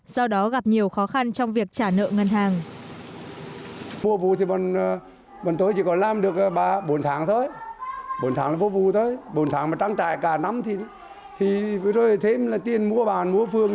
do đó gặp nhiều khó khăn trong việc trả nợ ngân hàng